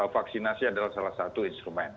vaksinasi adalah salah satu instrumen